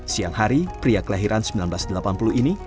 siang hari pria kelahiran seribu sembilan ratus delapan puluh ini